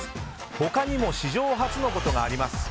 他にも史上初のことがあります。